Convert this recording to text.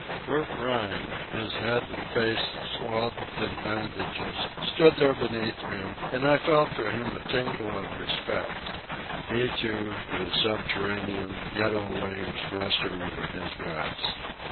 Bert Rhine, his head and face swathed in bandages, stood there beneath me, and I felt for him a tingle of respect. He, too, in a subterranean, ghetto way was master over his rats.